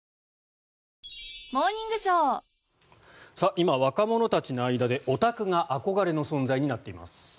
今、若者たちの間でオタクが憧れの存在になっています。